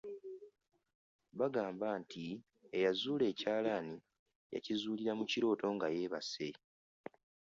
Bagamba nti; eyazuula ekyalaani yakizuulira mu kirooto nga yeebase.